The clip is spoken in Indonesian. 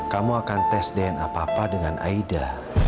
kamu akan tes dna papa dengan aida